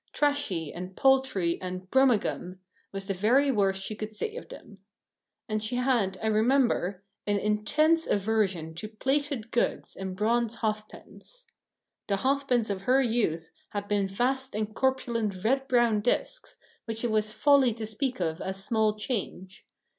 "Trashy" and "paltry" and "Brummagem" was the very worst she could say of them. And she had, I remember, an intense aversion to plated goods and bronze halfpence. The halfpence of her youth had been vast and corpulent red brown discs, which it was folly to speak of as small change.